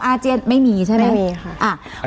อาเจียนไม่มีใช่ไหมมีค่ะ